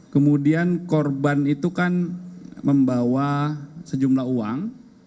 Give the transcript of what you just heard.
kemudian korban itu kan membawa sejumlah uang